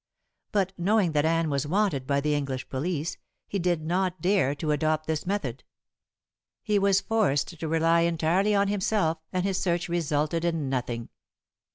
But knowing that Anne was wanted by the English police, he did not dare to adopt this method. He was forced to rely entirely on himself, and his search resulted in nothing.